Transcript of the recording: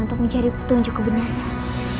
untuk mencari petunjuk kebenaran